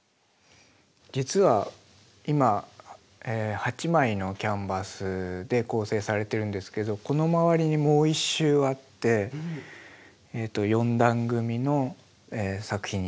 実は今８枚のキャンバスで構成されてるんですけどこの周りにもう一周あって４段組みの作品になります。